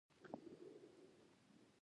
د نجونو تعلیم د کلتوري میراثونو ساتنه کوي.